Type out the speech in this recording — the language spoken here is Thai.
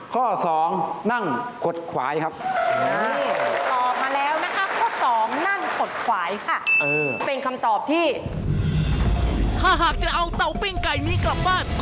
คองยองเหมือนกันครับ